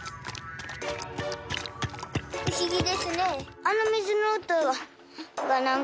不思議ですね。